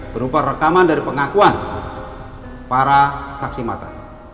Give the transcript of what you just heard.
berupa rekaman dari pengakuan para saksi mata